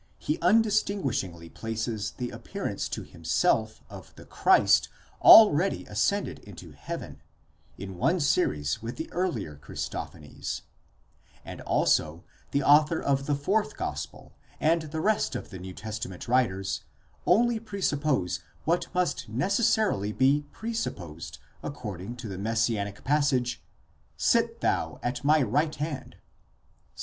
he undistinguishingly places the appearance to him self of the Christ already ascended into heaven, in one series with the earlier 'Christophanies ; and also the author of the fourth gospel and the rest of the New Testament writers only presuppose what must necessarily be presupposed according to the messianic passage : Sit thou at my right hand, Ps.